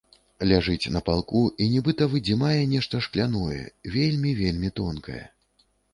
Ляжыць на палку і нібыта выдзімае нешта шкляное, вельмі, вельмі тонкае.